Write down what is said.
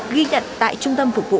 ghi nhận tại trung tâm phục vụ